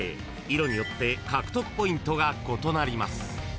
［色によって獲得ポイントが異なります］